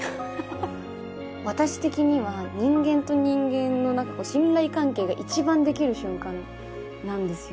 私的には人間と人間の何か信頼関係が一番できる瞬間なんですよ